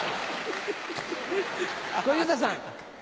小遊三さん。